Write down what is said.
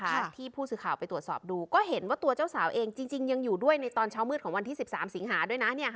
ที่ผู้สื่อข่าวไปตรวจสอบดูก็เห็นว่าตัวเจ้าสาวเองจริงยังอยู่ด้วยในตอนเช้ามืดของวันที่๑๓สิงหาด้วยนะ